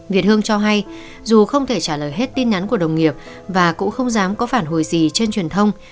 việt hương cho hay dù không thể trả lời hết tin nhắn của đồng nghiệp và cũng không dám có phản hồi gì trên truyền thông